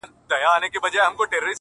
خدایه چي د مرگ فتواوي ودروي نور؛